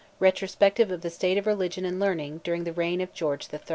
RETROSPECT OF THE STATE OF RELIGION AND LEARNING DURING THE REIGN OF GEORGE III.